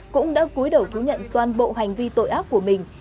cũng đã cuối đầu thú nhận toàn bộ hành vi tội ác của mình